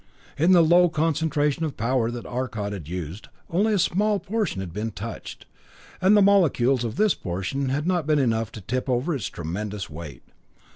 In the low concentration of power that Arcot had used, only a small portion had been touched, and the molecules of this portion had not been enough to tip over its tremendous weight.